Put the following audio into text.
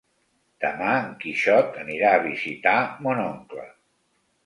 Demà en Quixot anirà a visitar mon oncle.